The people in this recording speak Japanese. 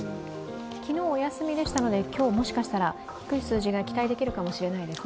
昨日、お休みでしたので、今日はもしかしたら低い数字が期待できるかもしれませんね。